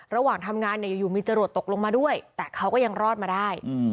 ระหว่างทำงานเนี่ยอยู่มีจรวดตกลงมาด้วยแต่เขาก็ยังรอดมาได้